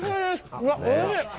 うわ、おいしい！